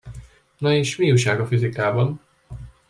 Na, és mi újság a fizikában?